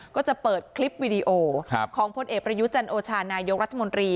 ก็จะเปิดคลิปวิดีโอของพลเอกประยุจันโอชานายกรัฐมนตรี